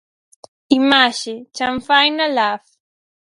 Imaxe: Chanfaina Lab.